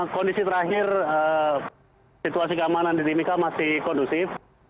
kondisi terakhir situasi keamanan di timika masih kondusif